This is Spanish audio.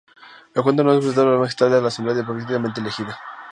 La Junta no respetaba la majestad de la Asamblea democráticamente elegida.